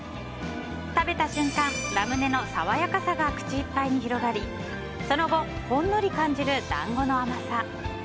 食べた瞬間、ラムネの爽やかさが口いっぱいに広がりその後、ほんのり感じる団子の甘さ。